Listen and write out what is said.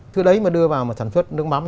thứ đấy mà đưa vào mà sản xuất nước mắm